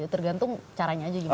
tergantung caranya aja gimana